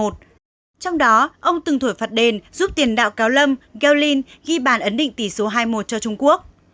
trong đó ông từng thổi phạt đền giúp tiền đạo cáo lâm kelllin ghi bản ấn định tỷ số hai một cho trung quốc